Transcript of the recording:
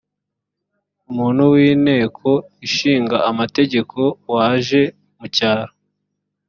umutwe w’inteko ishinga amategeko waje mu cyaro